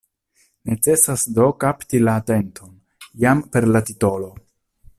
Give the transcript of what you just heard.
Necesas do kapti la atenton, jam per la titolo.